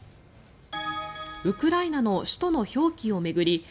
ウクライナの首都の表記を巡り